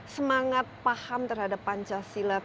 semangat paham terhadap pancasila